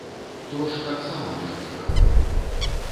То ж таксама мужыцкага роду.